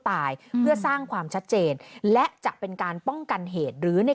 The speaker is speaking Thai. เพื่อสร้างความชัดเจนและจะเป็นการป้องกันเหตุหรือใน